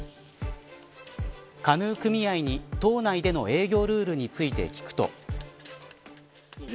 カヌー組合に島内での営業ルールについて聞くと。